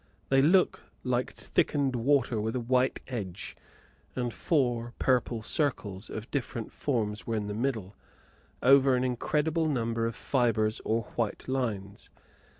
They look like thickened water with a white edge, and four purple circles, of different forms, were in the middle, over an incredible number of fibres or white lines.